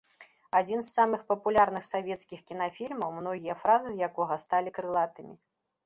Адзін з самых папулярных савецкіх кінафільмаў, многія фразы з якога сталі крылатымі.